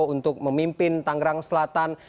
untuk memimpin tangerang selatan